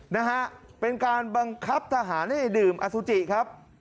นะฮะเป็นการบังคับทหารให้ดื่มอสุจิครับ